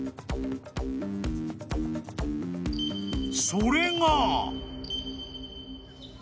［それが］